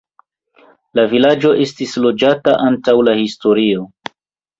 La vilaĝo estis loĝata antaŭ la historio.